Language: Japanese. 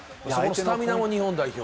スタミナも日本代表。